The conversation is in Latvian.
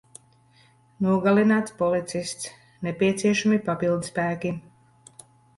Nogalināts policists. Nepieciešami papildspēki.